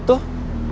ke tempat pt